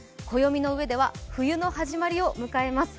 暦の上では冬の始まりを迎えます。